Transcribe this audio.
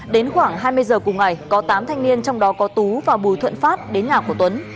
đến khoảng hai mươi giờ cùng ngày có tám thanh niên trong đó có tú và bùi thuận pháp đến nhà của tuấn